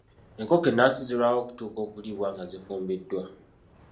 Enkoko ennansi zirwawo okutuuka okuliibwa nga zifumbiddwa.